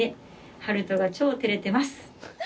悠人が超てれてます。